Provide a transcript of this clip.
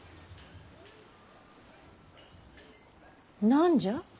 何じゃ？